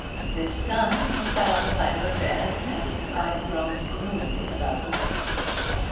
This done, he sat on the side of the bed, and his eyes roamed gloomily about the room.